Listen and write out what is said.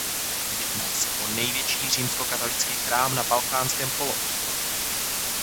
Jedná se o největší římskokatolický chrám na Balkánském poloostrově.